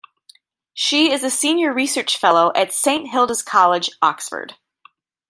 She is a Senior Research Fellow at Saint Hilda's College, Oxford.